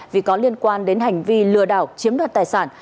vì có liên quan đến hành vi lừa đảo chiếm đoạt tài sản